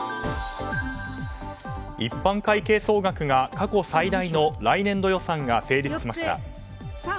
一般会計総額が過去最大の来年度予算が成立しました。